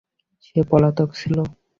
সে পলাতক ছিল।